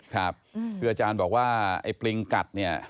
ครับคุยอาจารย์บอกว่าไอ้ปลิงกัด